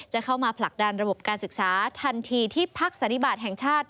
จะเข้ามาผลักดันระบบการศึกษาทันทีที่พักสันติบาลแห่งชาติ